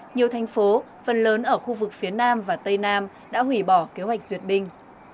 nhiều thành phố phần lớn ở khu vực phía nam và tây nam đã hủy bỏ kế hoạch duyệt binh